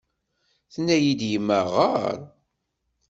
Tenna-yi-d yemma ɣeṛ.